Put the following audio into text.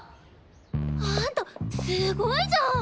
あんたすごいじゃん！